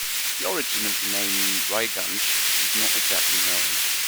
The origin of the name Raiganj is not exactly known.